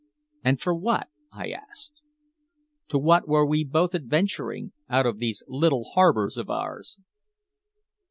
And for what? I asked. To what were we both adventuring out of these little harbors of ours?